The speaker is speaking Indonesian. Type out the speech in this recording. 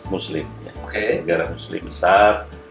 muslim oke negara muslim besar